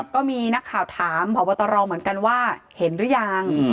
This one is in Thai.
ก็มีนักข่าวถามพบตรเหมือนกันว่าเห็นหรือยัง